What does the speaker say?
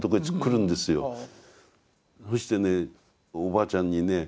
そしてねおばあちゃんにね